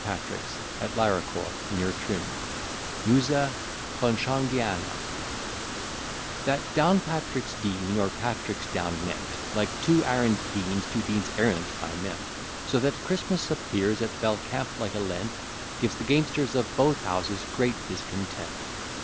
PATRICK'S, AT LARACOR, NEAR TRIM MUSA CLONSHOGHIANA That Downpatrick's Dean, or Patrick's down went, Like two arrand Deans, two Deans errant I meant; So that Christmas appears at Bellcampe like a Lent, Gives the gamesters of both houses great discontent.